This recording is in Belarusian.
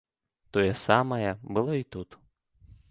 Тое самае было і тут.